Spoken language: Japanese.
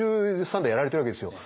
５３代やられてるわけですよ。